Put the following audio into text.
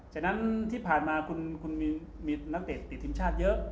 ฉะนั้นที่ผ่านมาคุณมีนักเตะติดทีมชาติเยอะ